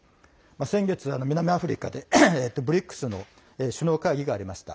先月、南アフリカでＢＲＩＣＳの首脳会議がありました。